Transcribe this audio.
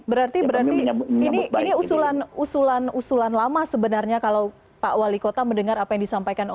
berarti ini usulan usulan lama sebenarnya kalau pak wali kota mendengar apa yang disampaikan